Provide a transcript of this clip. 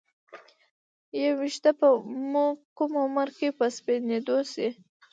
ې ویښته مو کوم عمر کې په سپینیدو شي